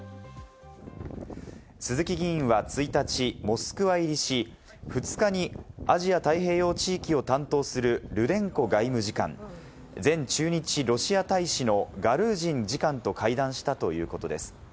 鈴木議員は１日、モスクワ入りし、２日にアジア太平洋地域を担当するルデンコ外務次官、前駐日ロシア大使のガルージン次官と会談したということです。